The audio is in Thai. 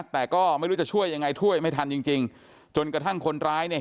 แต่ก็ไม่รู้จะช่วยยังไงช่วยไม่ทันจริงจริงจนกระทั่งคนร้ายเนี่ย